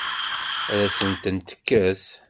Ad asent-tent-tekkes?